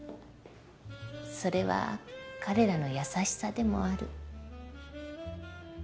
それは彼らの優しさでもある。